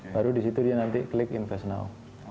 baru di situ dia nanti klik invest now